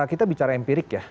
kita bicara empirik ya